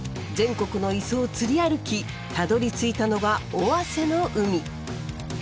全国の磯を釣り歩きたどりついたのが尾鷲の海。